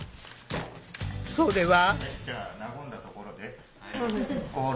それは。